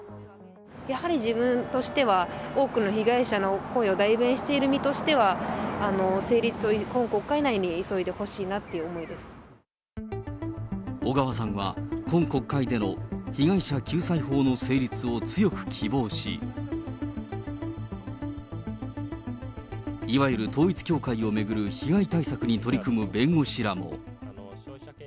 やはり自分としては、多くの被害者の声を代弁している身としては、成立を今国会内に急小川さんは、今国会での被害者救済法の成立を強く希望し、いわゆる統一教会を巡る被害対策に取り組む弁護士らも。